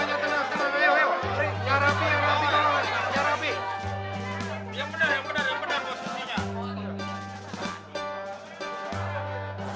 apa deh posisinya